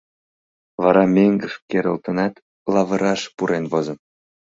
Вара меҥгыш керылтынат, лавыраш пурен возын.